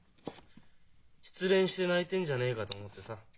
失恋して泣いてんじゃねえかと思ってさ。